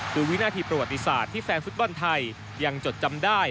คือวินาทีประวัติศาสตร์ที่แฟนฟุตบอลไทยยังจดจำได้